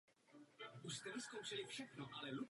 Starý slogan původní Packard Bell zmatek jen podpořil.